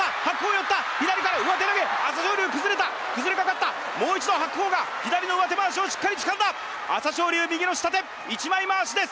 寄った左から上手投げ朝青龍崩れた崩れかかったもう一度白鵬が左の上手まわしをしっかりつかんだ朝青龍右の下手一枚まわしです